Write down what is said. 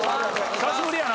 久しぶりやな。